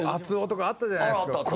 「熱男」とかあったじゃないですか。